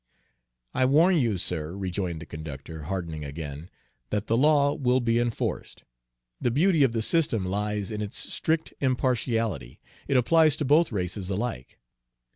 "I warn you, sir," rejoined the conductor, hardening again, "that the law will be enforced. The beauty of the system lies in its strict impartiality it applies to both races alike."